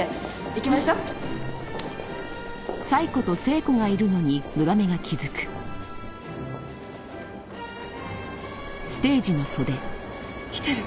行きましょう。来てる。